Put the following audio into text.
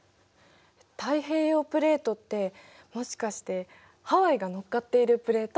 太平洋プレートってもしかしてハワイが乗っかっているプレート？